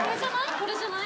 これじゃない？